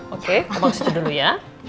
oke aku bantu dulu ya